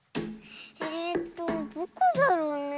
えっとどこだろうねえ。